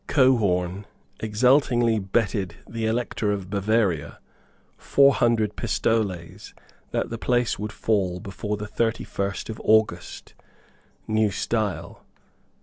Cohorn exultingly betted the Elector of Bavaria four hundred pistoles that the place would fall by the thirty first of August, New Style.